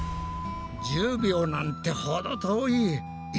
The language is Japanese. １０秒なんて程遠い。